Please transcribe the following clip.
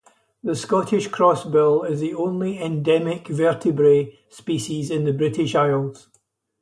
The Scottish crossbill is the only endemic vertebrate species in the British Isles.